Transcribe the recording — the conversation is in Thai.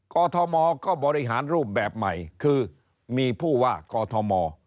กอทมก็บริหารรูปแบบใหม่คือมีผู้ว่ากอทม